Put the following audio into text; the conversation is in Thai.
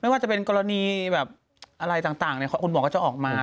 ว่าจะเป็นกรณีแบบอะไรต่างคุณหมอก็จะออกมา